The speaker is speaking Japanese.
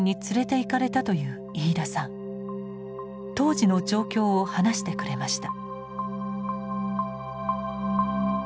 当時の状況を話してくれました。